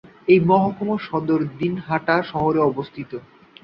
এই মহকুমার সদর দিনহাটা শহরে অবস্থিত।